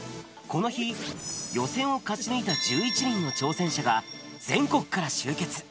この日、予選を勝ち抜いた１１人の挑戦者が、全国から集結。